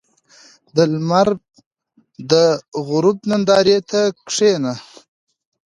• د لمر د غروب نندارې ته کښېنه.